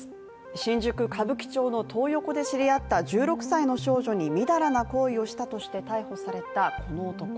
新宿・歌舞伎町のトー横で知り合った１６歳の少女に淫らな行為をしたとして逮捕された、この男。